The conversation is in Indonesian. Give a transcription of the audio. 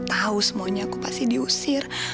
tahu semuanya aku pasti diusir